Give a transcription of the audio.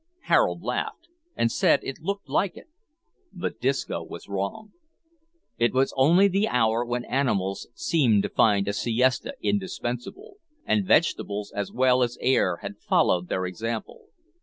Harold laughed, and said it looked like it. But Disco was wrong. It was only the hour when animals seem to find a siesta indispensable, and vegetables as well as air had followed their example.